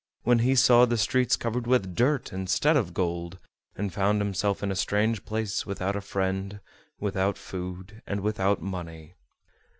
when he saw the streets covered with dirt instead of gold, and found himself in a strange place, without a friend, without food, and without money.